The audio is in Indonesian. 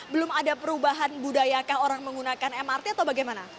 belum ada perubahan budayakah orang menggunakan mrt atau bagaimana